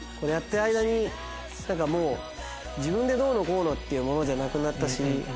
やってる間に何かもう自分でどうのこうのっていうものじゃなくなったし。